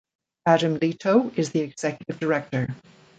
Adam Leto is the executive director.